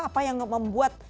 apa yang membuat